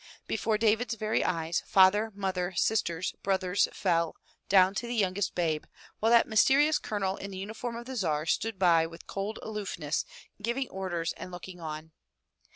Before David's very eyes father, mother, sisters, brothers fell, down to the youngest babe, while that mysterious colonel in the uniform of the Tsar stood by with cold aloofness, giving orders and looking on.